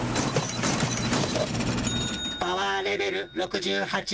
「パワーレベル６８」。